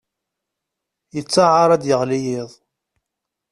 Yettaɛar ad d-yeɣli yiḍ.